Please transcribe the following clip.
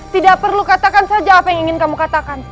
tidak perlu katakan saja apa yang ingin kamu katakan